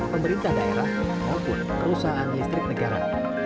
pemerintah daerah maupun perusahaan listrik negara